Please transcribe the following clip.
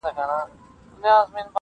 خلګ راغله و قاضي ته په فریاد سوه,